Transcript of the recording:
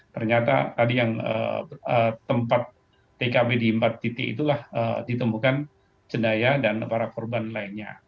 ternyata tadi yang tempat tkb di empat titik itulah ditemukan cendaya dan para korban lainnya